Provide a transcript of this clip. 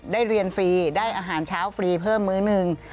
ได้เรียนฟรีได้อาหารเช้าฟรีเพิ่มมื้อหนึ่ง